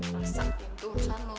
masa pintu rusak lo